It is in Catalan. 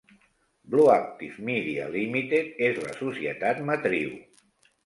Blue Active Media Limited és la societat matriu.